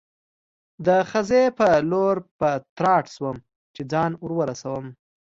د خزې په لور په تراټ شوم، چې ځان ور ورسوم.